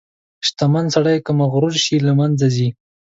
• شتمن سړی که مغرور شي، له منځه ځي.